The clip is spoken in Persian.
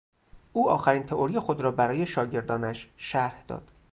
او آخرین تئوری خود را برای شاگردانش شرح داد.